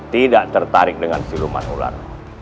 tidak tertarik dengan siluman ular